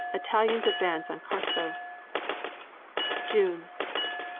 Italians advance on the Carso. June 4.